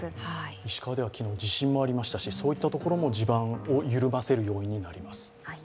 石川では昨日、地震もありましたし、そういったところも地盤を緩ませる要因になります。